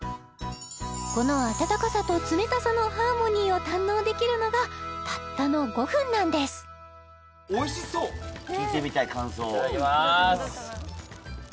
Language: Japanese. この温かさと冷たさのハーモニーを堪能できるのがたったの５分なんです聞いてみたい感想をいただきます！